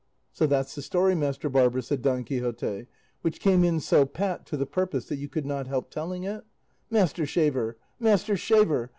"So that's the story, master barber," said Don Quixote, "which came in so pat to the purpose that you could not help telling it? Master shaver, master shaver!